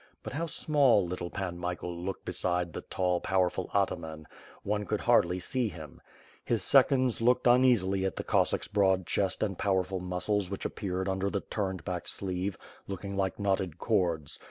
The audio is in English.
But how small little Pan Michael looked beside the tall, powerful ataman; one could hardly see him. His seconds looked uneasily at the Cossack's broad chest and pow erful muscles which appeared under the turned back sleeve, looking like knotted cords.